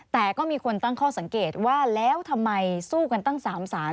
แต่ก็มีคนตั้งข้อสังเกตว่าแล้วทำไมสู้กันตั้ง๓ศาล